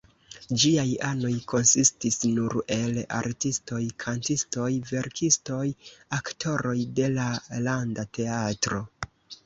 Ĝiaj anoj konsistis nur el artistoj, kantistoj, verkistoj, aktoroj de la Landa Teatro.